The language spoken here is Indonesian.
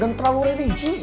dan terlalu religi